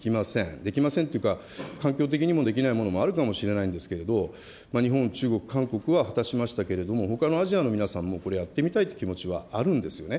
できませんというか、環境的にもできないものもあるかもしれないんですけれども、日本、中国、韓国は果たしましたけれども、ほかのアジアの皆さんもこれ、やってみたいっていう気持ちはあるんですよね。